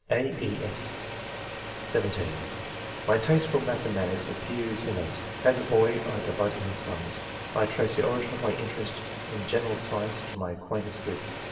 (a, e, f) (17) "My taste for mathematics appears in nate. As a boy, I delighted in sums. I trace the origin of my interest in general science to my acquaintance with